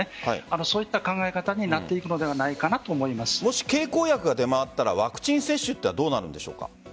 そういった考え方になっていくのではないかともし経口薬が出回ったらワクチン接種はどうなるんでしょうか？